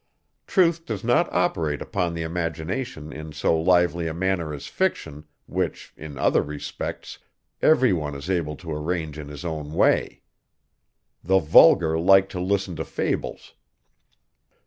Truth does not operate upon the imagination in so lively a manner as fiction, which, in other respects, everyone is able to arrange in his own way. The vulgar like to listen to fables.